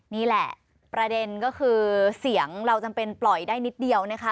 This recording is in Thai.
นี่แหละประเด็นก็คือเสียงเราจำเป็นปล่อยได้นิดเดียวนะคะ